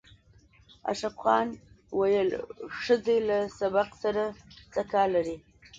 اشرف خان ویل ښځې له سبق سره څه کار لري